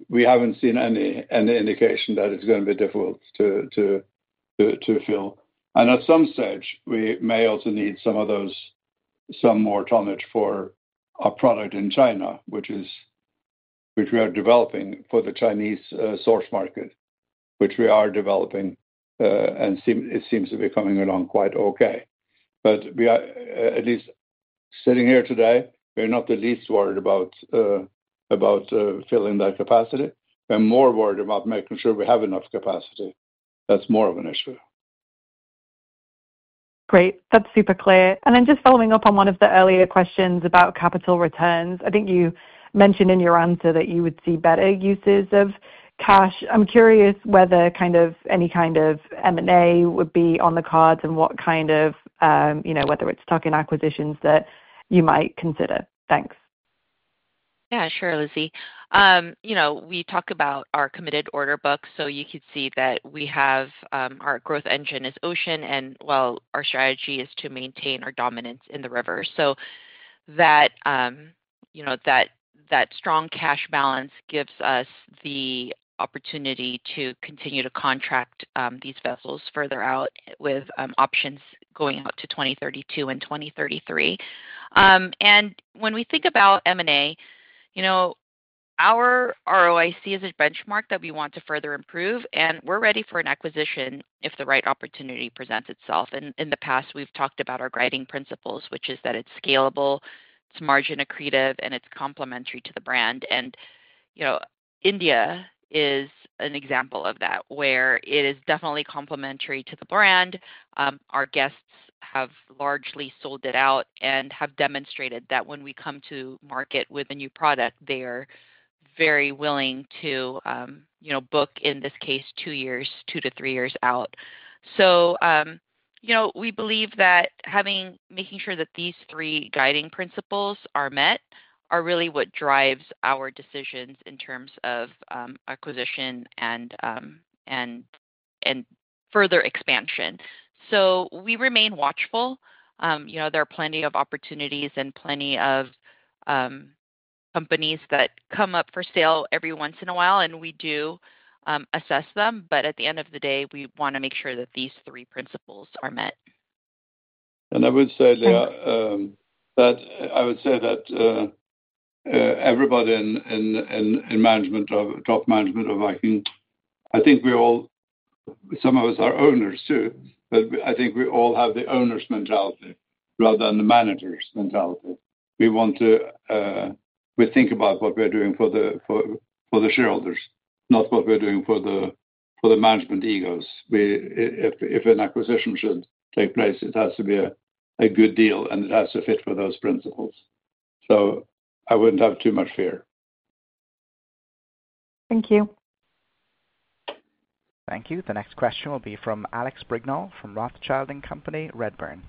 we haven't seen any indication that it's going to be difficult to fill. At some stage, we may also need some of those, some more tonnage for a product in China, which we are developing for the Chinese source market, which we are developing, and it seems to be coming along quite okay. At least sitting here today, we're not the least worried about filling that capacity. We're more worried about making sure we have enough capacity. That's more of an issue. Great. That's super clear. Just following up on one of the earlier questions about capital returns, I think you mentioned in your answer that you would see better uses of cash. I'm curious whether any kind of M&A would be on the cards and what kind of, you know, whether it's stock in acquisitions that you might consider. Thanks. Yeah, sure, Lizzie. We talk about our committed order book, so you could see that we have our growth engine as Ocean, and while our strategy is to maintain our dominance in the River. That strong cash balance gives us the opportunity to continue to contract these vessels further out with options going out to 2032 and 2033. When we think about M&A, our ROIC is a benchmark that we want to further improve, and we're ready for an acquisition if the right opportunity presents itself. In the past, we've talked about our guiding principles, which is that it's scalable, it's margin accretive, and it's complementary to the brand. India is an example of that, where it is definitely complementary to the brand. Our guests have largely sold it out and have demonstrated that when we come to market with a new product, they are very willing to book, in this case, two years, two to three years out. We believe that making sure that these three guiding principles are met are really what drives our decisions in terms of acquisition and further expansion. We remain watchful. There are plenty of opportunities and plenty of companies that come up for sale every once in a while, and we do assess them. At the end of the day, we want to make sure that these three principles are met. Leah, I would say that everybody in top management of Viking, I think we all, some of us are owners too, but I think we all have the owner's mentality rather than the manager's mentality. We want to, we think about what we're doing for the shareholders, not what we're doing for the management egos. If an acquisition should take place, it has to be a good deal, and it has to fit with those principles. I wouldn't have too much fear. Thank you. Thank you. The next question will be from Alex Brignall from Rothschild & Co Redburn.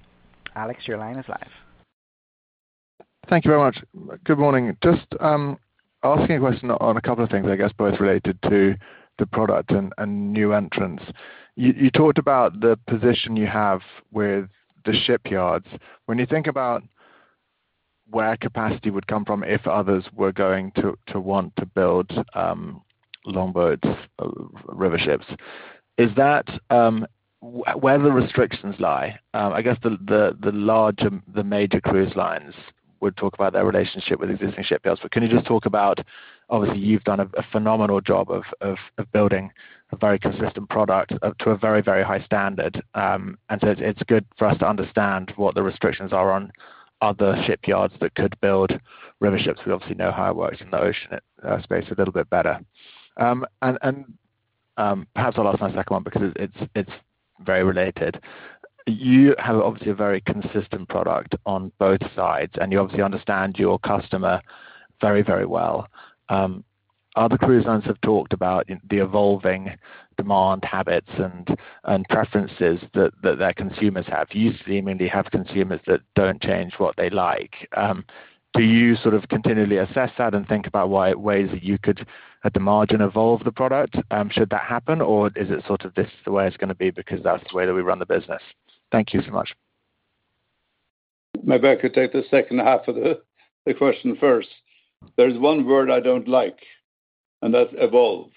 Alex, your line is live. Thank you very much. Good morning. Just asking a question on a couple of things, I guess both related to the product and new entrants. You talked about the position you have with the shipyards. When you think about where capacity would come from if others were going to want to build longboards or River ships, is that where the restrictions lie? I guess the large, the major cruise lines would talk about their relationship with existing shipyards, but can you just talk about, obviously, you've done a phenomenal job of building a very consistent product to a very, very high standard. It's good for us to understand what the restrictions are on other shipyards that could build River ships. We obviously know how it works in the Ocean space a little bit better. Perhaps I'll ask my second one because it's very related. You have obviously a very consistent product on both sides, and you obviously understand your customer very, very well. Other cruise lines have talked about the evolving demand habits and preferences that their consumers have. You seemingly have consumers that don't change what they like. Do you sort of continually assess that and think about ways that you could, at the margin, evolve the product should that happen, or is it sort of this is the way it's going to be because that's the way that we run the business? Thank you so much. My bet. Could take the second half of the question first. There's one word I don't like, and that's evolve.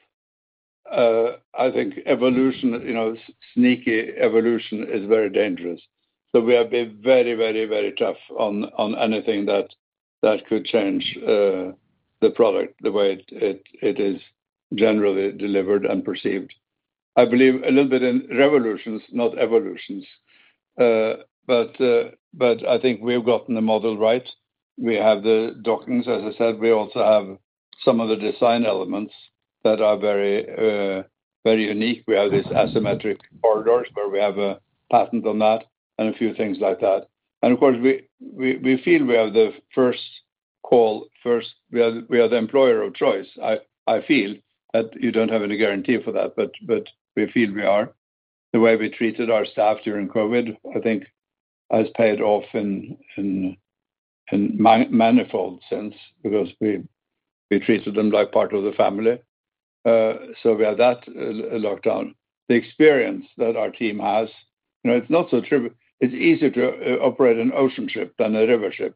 I think evolution, you know, sneaky evolution is very dangerous. We have been very, very, very tough on anything that could change the product the way it is generally delivered and perceived. I believe a little bit in revolutions, not evolutions. I think we've gotten the model right. We have the dockings, as I said. We also have some of the design elements that are very, very unique. We have these asymmetric corridors where we have a patent on that and a few things like that. Of course, we feel we have the first call first. We are the employer of choice. I feel that you don't have any guarantee for that, but we feel we are. The way we treated our staff during COVID, I think has paid off in manifold sense because we treated them like part of the family. We had that lockdown. The experience that our team has, you know, it's not so true. It's easier to operate an Ocean ship than a River ship.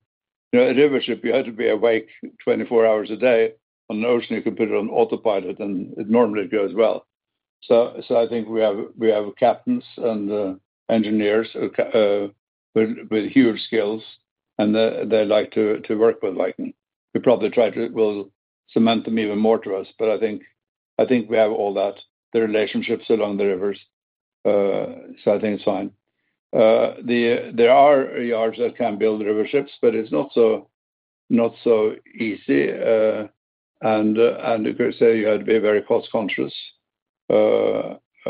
A River ship, you had to be awake 24 hours a day. On an Ocean, you can put it on autopilot, and it normally goes well. I think we have captains and engineers with huge skills, and they like to work with Viking. We probably try to, we'll cement them even more to us. I think we have all that, the relationships along the Rivers. I think it's fine. There are yards that can build River ships, but it's not so easy. I'd say you had to be very cost conscious. If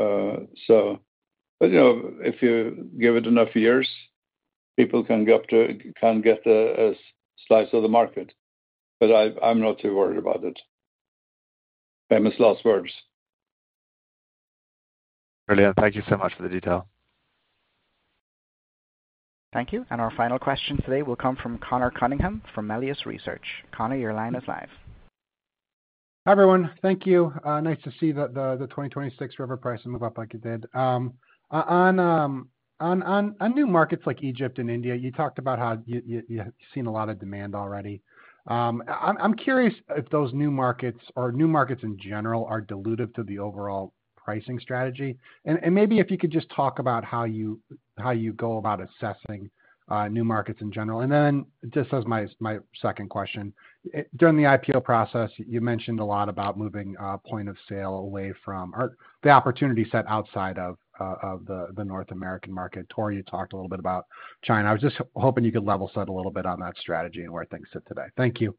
you give it enough years, people can get a slice of the market. I'm not too worried about it. Famous last words. Brilliant. Thank you so much for the detail. Thank you. Our final question today will come from Conor Cunningham from Melius Research. Conor, your line is live. Hi, everyone. Thank you. Nice to see that the 2026 River pricing moved up like it did. On new markets like Egypt and India, you talked about how you've seen a lot of demand already. I'm curious if those new markets or new markets in general are dilutive to the overall pricing strategy. Maybe if you could just talk about how you go about assessing new markets in general. Just as my second question, during the IPO process, you mentioned a lot about moving a point of sale away from the opportunity set outside of the North American market. Torstein, you talked a little bit about China. I was just hoping you could level set a little bit on that strategy and where things sit today. Thank you.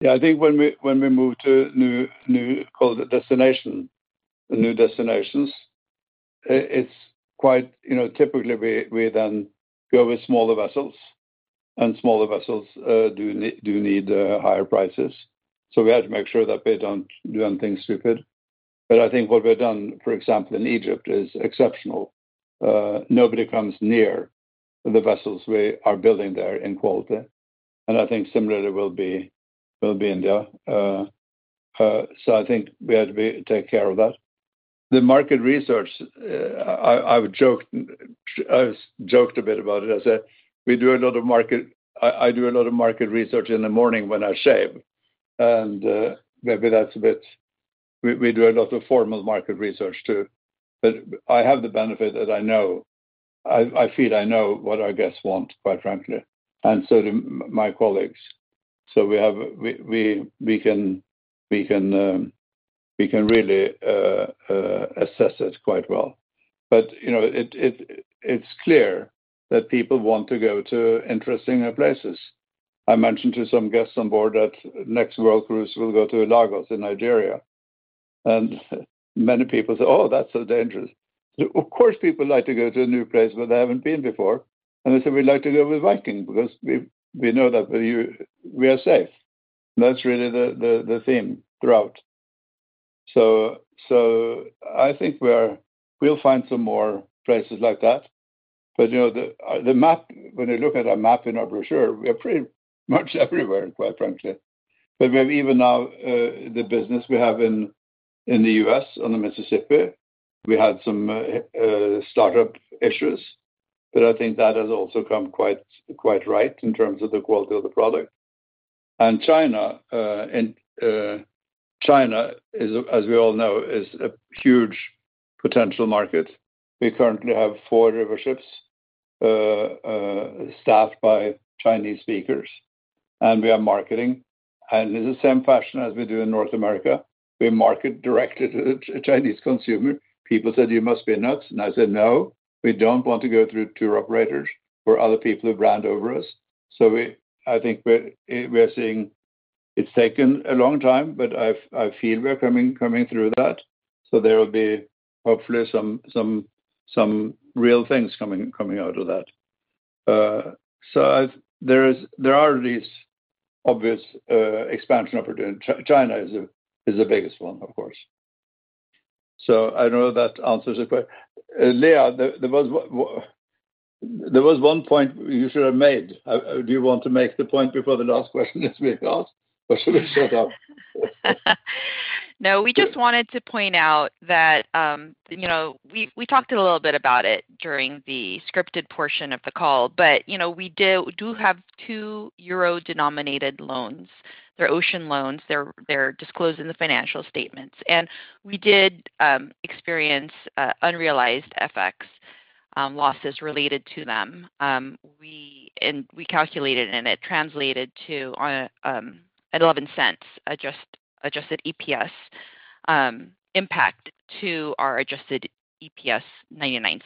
Yeah, I think when we move to new, call it destinations, new destinations, it's quite, you know, typically we then go with smaller vessels, and smaller vessels do need higher prices. We had to make sure that we don't do anything stupid. I think what we've done, for example, in Egypt is exceptional. Nobody comes near the vessels we are building there in quality. I think similarly will be India. We had to take care of that. The market research, I joked a bit about it. I said we do a lot of market, I do a lot of market research in the morning when I shave. Maybe that's a bit, we do a lot of formal market research too. I have the benefit that I know, I feel I know what our guests want, quite frankly, and so do my colleagues. We can really assess it quite well. You know, it's clear that people want to go to interesting places. I mentioned to some guests on board that next World Cruise will go to Lagos in Nigeria. Many people say, "Oh, that's so dangerous." Of course, people like to go to a new place where they haven't been before. They say, "We like to go with Viking because we know that we are safe." That's really the theme throughout. I think we'll find some more places like that. You know, the map, when you look at our map in our brochure, we are pretty much everywhere, quite frankly. We have even now the business we have in the U.S. on the Mississippi. We had some startup issues. I think that has also come quite right in terms of the quality of the product. China, as we all know, is a huge potential market. We currently have four River ships staffed by Chinese speakers. We are marketing. In the same fashion as we do in North America, we market directly to the Chinese consumer. People said, "You must be nooks." I said, "No, we don't want to go through tour operators or other people who brand over us." I think we are seeing, it's taken a long time, but I feel we're coming through that. There will be hopefully some real things coming out of that. There are these obvious expansion opportunities. China is the biggest one, of course. I know that answers the question. Leah, there was one point you should have made. Do you want to make the point before the last question gets picked up, or should we shut up? No, we just wanted to point out that, you know, we talked a little bit about it during the scripted portion of the call. You know, we do have two Euro-Denominated Loans. They're Ocean loans. They're disclosed in the financial statements. We did experience Unrealized FX Losses related to them. We calculated, and it translated to an $0.11 Adjusted EPS impact to our Adjusted EPS $0.99.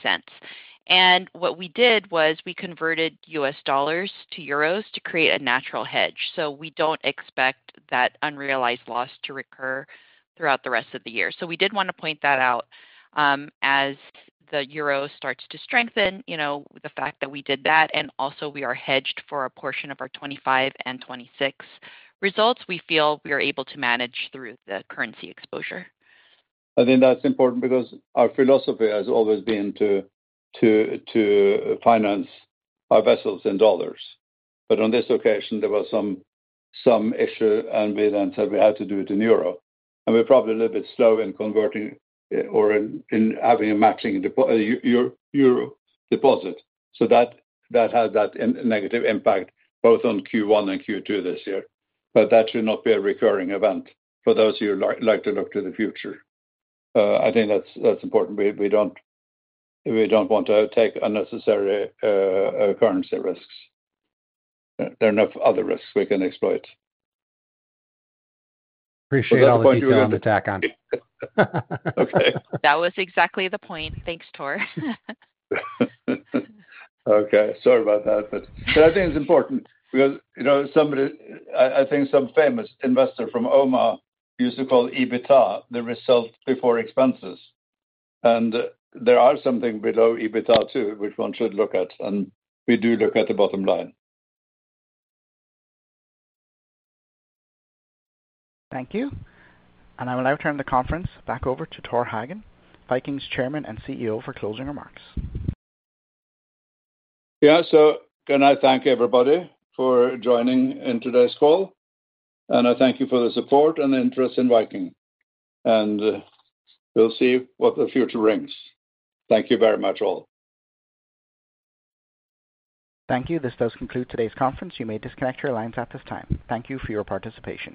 What we did was we converted U.S. dollars to euros to create a Natural Hedge. We don't expect that unrealized loss to recur throughout the rest of the year. We did want to point that out. As the euro starts to strengthen, you know, the fact that we did that, and also we are hedged for a portion of our 2025 and 2026 results, we feel we are able to manage through the currency exposure. I think that's important because our philosophy has always been to finance our vessels in dollars. On this occasion, there was some issue, and we then said we had to do it in euro. We're probably a little bit slow in converting or in having a matching euro deposit. That has that negative impact both on Q1 and Q2 this year. That should not be a recurring event for those who like to look to the future. I think that's important. We don't want to take unnecessary currency risks. There are enough other risks we can exploit. Appreciate all the things you're willing to tack on. That was exactly the point. Thanks, Torstein. Okay, sorry about that. I think it's important because, you know, somebody, I think some famous investor from Omaha used to call EBITDA the result before expenses. There are some things below EBITDA too, which one should look at. We do look at the bottom line. Thank you. I will now turn the conference back over to Torstein Hagen, Viking's Chairman and CEO, for closing remarks. Can I thank everybody for joining in today's call? I thank you for the support and interest in Viking. We'll see what the future brings. Thank you very much all. Thank you. This does conclude today's conference. You may disconnect your lines at this time. Thank you for your participation.